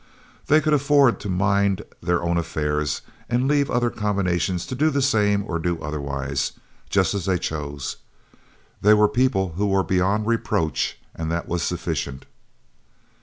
They could afford to mind their own affairs and leave other combinations to do the same or do otherwise, just as they chose. They were people who were beyond reproach, and that was sufficient.